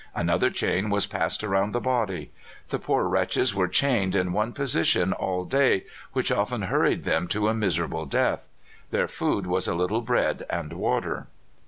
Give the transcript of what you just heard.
Another chain was passed round the body. The poor wretches were chained in one position all day, which often hurried them to a miserable death. Their food was a little bread and water.